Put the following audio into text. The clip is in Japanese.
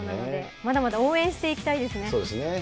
まだまだ応援していきたいですね。